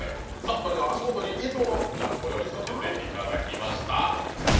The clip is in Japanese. それでは足元にいつもの札をご用意させていただきました。